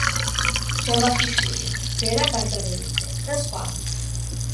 ჯავახიშვილი, ვერა ბარდაველიძე და სხვა.